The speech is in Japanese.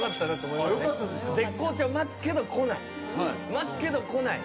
待つけどこない。